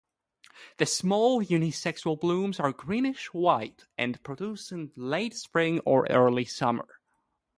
The small uni-sexual blooms are greenish-white and produced in late spring or early summer.